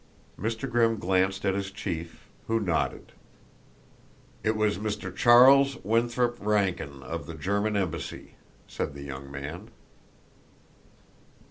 Mr. Grimm glanced at his chief, who nodded. "It was Mr. Charles Winthrop Rankin of the German embassy," said the young man.